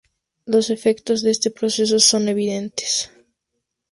Los efectos de este proceso son evidentes.